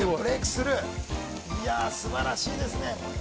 素晴らしいですね。